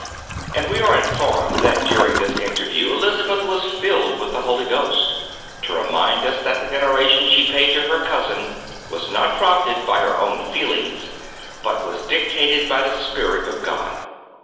And we are informed that during this interview Elizabeth was filled with the Holy Ghost, to remind us that the veneration she paid to her cousin was not prompted by her own feelings, but was dictated by the Spirit of God.